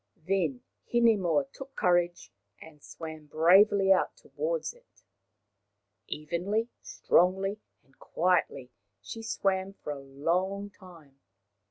Then Hinemoa took courage and swam bravely out towards it. Evenly, strongly and quietly she swam for a long time.